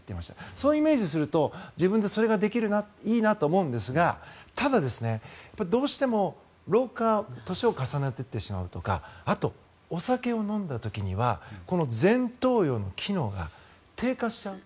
それをイメージすると自分でそれができるないいなと思うんですけどただ、どうしても老化年を重ねていってしまうとかあと、お酒を飲んだ時にはこの前頭葉の機能が低下しちゃう。